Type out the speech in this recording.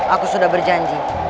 aku sudah berjanji